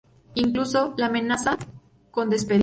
Incluso le amenaza con despedirlo.